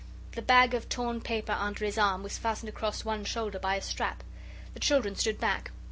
The bag of torn paper under his arm was fastened across one shoulder by a strap. The children stood back.